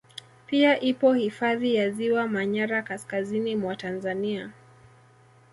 Pia ipo hifadhi ya Ziwa manyara kaskazini mwa Tanzania